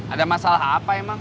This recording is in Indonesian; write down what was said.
ada masalah apa emang